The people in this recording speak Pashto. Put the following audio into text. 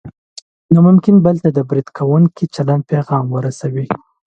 نو ممکن بل ته د برید کوونکي چلند پیغام ورسوي.